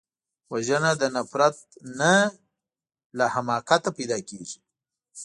وژنه د نفرت نه، د حماقت نه پیدا کېږي